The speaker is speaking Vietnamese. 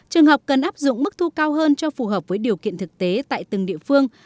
trường hợp cần áp dụng mức thu cao hơn cho phù hợp với điều kiện thực tế tại từng địa phương